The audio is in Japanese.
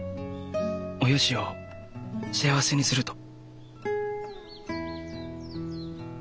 およしを幸せにすると。